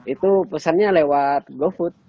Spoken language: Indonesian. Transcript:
itu pesannya lewat gofood